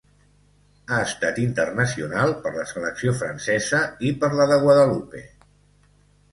Ha estat internacional per la selecció francesa i per la de Guadalupe.